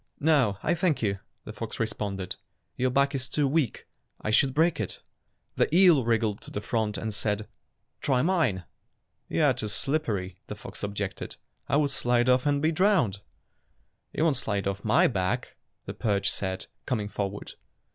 "No, I thank you," the fox responded. "Your back is too weak. I should break it." The eel wriggled to the front and said, "Try mine." "You are too slippery," the fox objected. "I would slide off and be drowned." "You won't slide off my back," the perch said, coming forward.